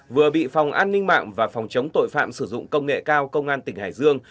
vừa bị phòng an ninh mạng và phòng chống tội phạm sử dụng công nghệ cao công an tỉnh hải dương